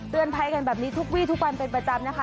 ภัยกันแบบนี้ทุกวีทุกวันเป็นประจำนะคะ